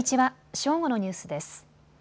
正午のニュースです。